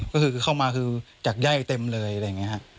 ก็คือเข้ามาคือจากไย่เต็มเลยอะไรอย่างนี้ครับ